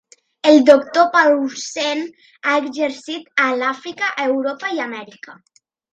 El doctor Paulsen ha exercit a l'Àfrica, a Europa i a Amèrica.